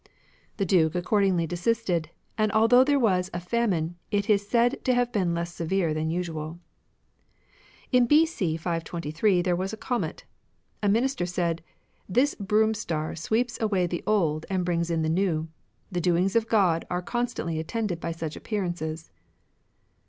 The Duke accordingly desisted ; and although there was a famine, it is said to have been less severe than usual. In B.C. 523 there was a comet. A Minister said, " This broom star sweeps away the old, and brings in the new. The doings of God are con stantly attended by such appearances."